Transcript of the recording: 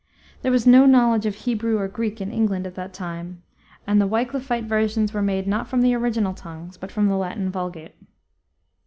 There was no knowledge of Hebrew or Greek in England at that time, and the Wiclifite versions were made not from the original tongues, but from the Latin Vulgate.